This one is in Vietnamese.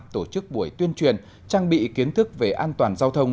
tổ chức buổi tuyên truyền trang bị kiến thức về an toàn giao thông